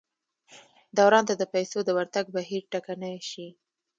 دوران ته د پیسو د ورتګ بهیر ټکنی شي.